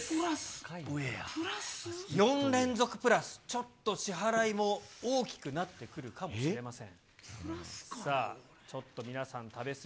４連続プラス、ちょっと支払いも大きくなってくるかもしれません。